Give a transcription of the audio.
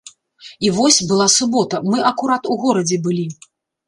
І вось, была субота, мы акурат у горадзе былі.